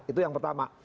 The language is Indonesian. itu yang pertama